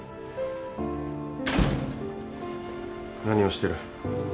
何をしてる？